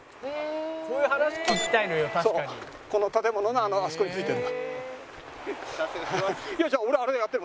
この建物のあそこについてる。